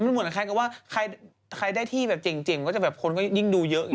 มันเหมือนกับใครก็ว่าใครได้ที่แบบจริงก็จะแบบคนก็ยิ่งดูเยอะอย่างนี้